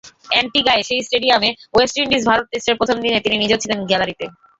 অ্যান্টিগায় সেই স্টেডিয়ামে ওয়েস্ট ইন্ডিজ-ভারত টেস্টের প্রথম দিনে তিনি নিজেও ছিলেন গ্যালারিতে।